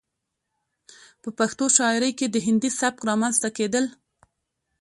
،په پښتو شاعرۍ کې د هندي سبک رامنځته کېدل